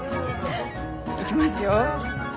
いきますよ。